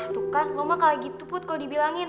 tuh kan lo mah kayak gitu put kalo dibilangin